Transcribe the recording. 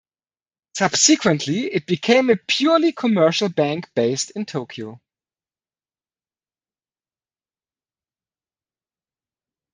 Subsequently, it became a purely commercial bank based in Tokyo.